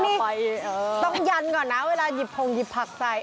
ต้องยันก่อนนะเวลาหยิบผงหยิบผักใส่